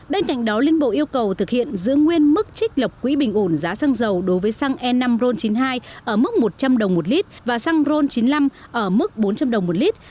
bên cạnh đó liên bộ yêu cầu thực hiện giữ nguyên mức trích lập quỹ bình ổn giá xăng dầu đối với xăng e năm ron chín mươi hai ở mức một trăm linh đồng một lít và xăng ron chín mươi năm ở mức bốn trăm linh đồng một lít